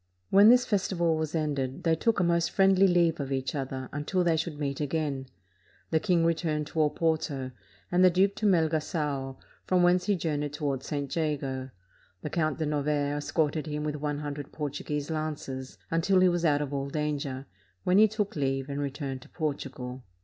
When this festival was ended, they took a most friendly leave of each other, until they should meet again. The king returned to Oporto, and the duke to ^ About one hundred and sixty five dollars. 575 PORTUGAL Melgafo, from whence he journeyed toward St. Jago. The Count de Novaire escorted him with one hundred Portuguese lances, until he was out of all danger, when he took leave and returned to Portugal.